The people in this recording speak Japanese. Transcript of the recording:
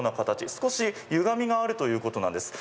少しゆがみがあるということなんです。